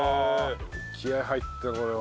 気合入ってこれは。